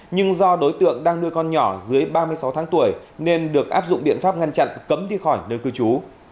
nhưng do đối tượng đang nuôi con nhỏ dưới ba mươi sáu tháng tuổi nên được áp dụng biện pháp ngăn chặn cấm đi khỏi nơi cư trú